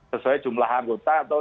sesuai jumlah anggota atau